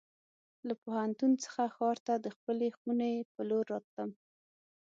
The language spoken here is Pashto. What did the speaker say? له پوهنتون څخه ښار ته د خپلې خونې په لور راتلم.